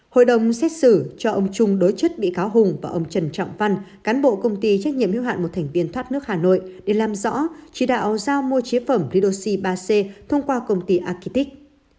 hội đồng xét xử cho ông trung đối chất bị cáo hùng và ông trần trọng văn cán bộ công ty trách nhiệm hưu hạn một thành viên thoát nước hà nội để làm rõ chỉ đạo giao mua chế phẩm redoxi ba c thông qua công ty agitic